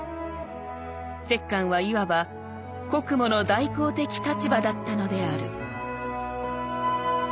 摂関はいわば『国母の代行』的立場だったのである」。